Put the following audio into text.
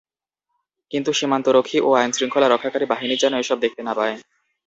কিন্তু সীমান্তরক্ষী ও আইনশৃঙ্খলা রক্ষাকারী বাহিনী যেন এসব দেখতে পায় না।